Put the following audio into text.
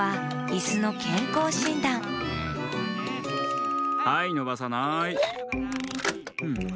だんはいのばさない。